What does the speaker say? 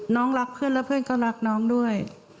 น้องรักเพื่อนและเพื่อนก็รักน้องด้วย